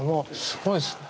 すごいですね。